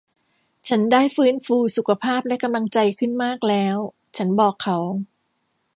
ฉันได้ฟื้นฟูสุขภาพและกำลังใจขึ้นมากแล้ว ฉันบอกเขา